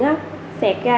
xẹt tiên lửa điện ra